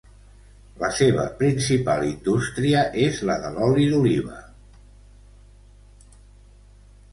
La seva principal indústria és la de l'oli d'oliva.